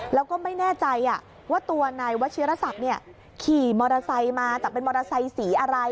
แล้วก็ไม่แน่ใจว่าตัวนายวัชิรศักดิ์ขี่มอเตอร์ไซค์มาแต่เป็นมอเตอร์ไซค์สีอะไร